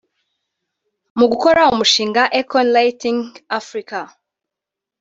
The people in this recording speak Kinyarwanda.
Mu gukora umushinga “Akon Lighting Africa”